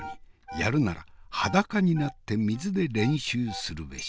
やるなら裸になって水で練習するべし。